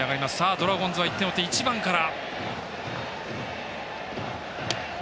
ドラゴンズは１点を追って１番から。